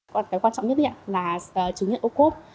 cái quan trọng nhất là chứng nhận ô cốp